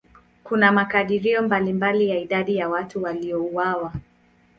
Kuna makadirio mbalimbali ya idadi ya watu waliouawa.